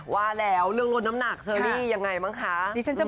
ว่าแล้วเรื่องลดน้ำหนักเชอรี่ยังไงบ้างคะ